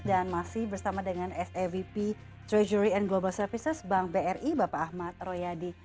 dan masih bersama dengan savp treasury and global services bank bri bapak ahmad royadi